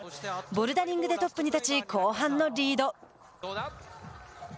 ボルダリングでトップに立ち後半のリード。